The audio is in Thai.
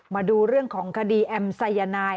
มาดูเรื่องของคดีแอม์ทรัยยานาย